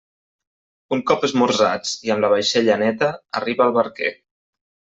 Un cop esmorzats i amb la vaixella neta, arriba el barquer.